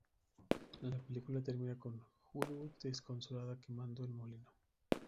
La película termina con Ju Dou desconsolada quemando el molino.